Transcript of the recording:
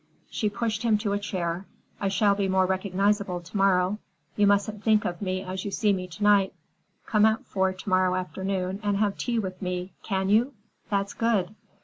She pushed him to a chair. "I shall be more recognizable to morrow. You mustn't think of me as you see me to night. Come at four to morrow afternoon and have tea with me. Can you? That's good."